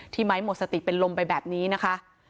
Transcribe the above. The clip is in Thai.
ไม้หมดสติเป็นลมไปแบบนี้นะคะ